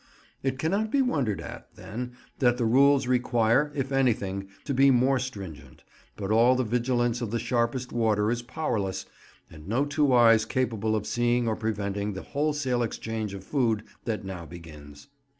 It cannot be wondered at, then, that the rules require, if anything, to be more stringent; but all the vigilance of the sharpest warder is powerless, and no two eyes capable of seeing or preventing the wholesale exchange of food that now begins.